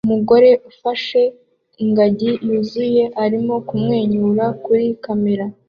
Umugore ufashe ingagi yuzuye arimo kumwenyura kuri kamera